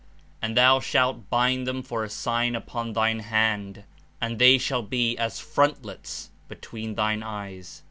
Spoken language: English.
And thou shalt bind them for a sign upon thine hand, and they shall be as frontlets between thine eyes.